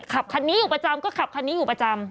คันนี้อยู่ประจำก็ขับคันนี้อยู่ประจำ